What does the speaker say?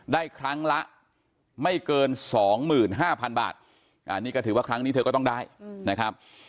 ได้ครั้งละไม่เกินสองหมื่นห้าพันบาทอ่านี่ก็ถือว่าครั้งนี้เธอก็ต้องได้นะครับ